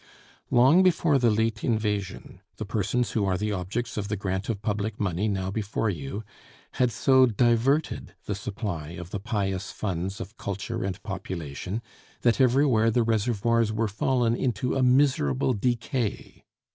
Long before the late invasion, the persons who are objects of the grant of public money now before you had so diverted the supply of the pious funds of culture and population that everywhere the reservoirs were fallen into a miserable decay.